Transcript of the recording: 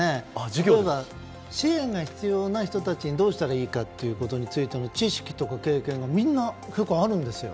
例えば支援が必要な人たちにどうしたらいいかということについての知識とか経験がみんな結構あるんですよ。